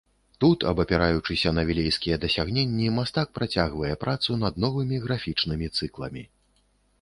Тут, абапіраючыся на вілейскія дасягненні, мастак працягвае працу над новымі графічнымі цыкламі.